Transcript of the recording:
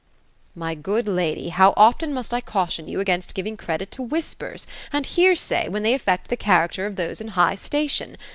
" My good lady, how often must I caution you against giving credit to whispers, and hear say, when they affect the character of those in high station.